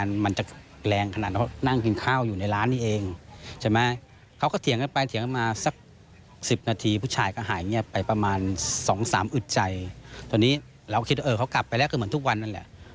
เราคิดว่าเขากลับไปแล้วคือเหมือนทุกวันนั่นแหละ